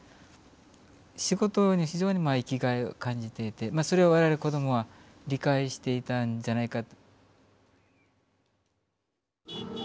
仕事に非常に生きがいを感じててそれを我々子供は理解していたんじゃないか。